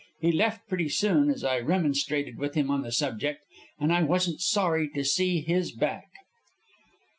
He left pretty soon, as I remonstrated with him on the subject, and I wasn't sorry to see his back."